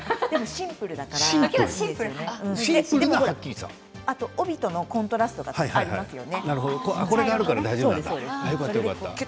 シンプルだからあと帯とのコントラストがありますからね。